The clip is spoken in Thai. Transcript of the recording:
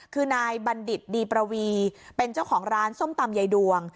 คือนายบัณฑิตดีประวีเป็นเจ้าของร้านส้มตำใยดวง